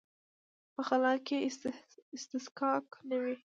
په خلا کې اصطکاک نه وي.